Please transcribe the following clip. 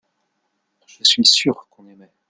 Je suis sûr qu’on aimait.